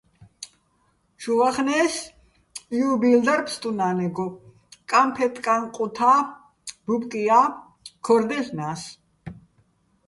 ჩუ ვახენე́ს, იუბილ დარ ბსტუნა́ნეგო, კამფეტკა́ჼ ყუთა́ ბუბკია́ ქორ დაჲლ'ნა́ს.